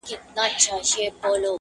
زما تر لحده به آواز د مرغکیو راځي!!